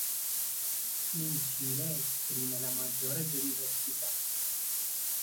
In Cile esprime la maggiore biodiversità.